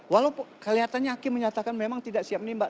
walaupun kelihatannya hakim menyatakan memang tidak siap menembak